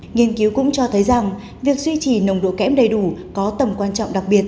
nghiên cứu cũng cho thấy rằng việc duy trì nồng độ kẽm đầy đủ có tầm quan trọng đặc biệt